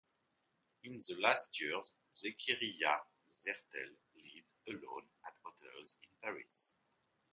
In the last years Zekeriya Sertel lived alone at hotels in Paris.